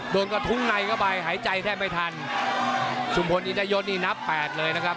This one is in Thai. โดนกระทุ้งในเข้าไปหายใจแทบไม่ทันชุมพลอินทยศนี่นับแปดเลยนะครับ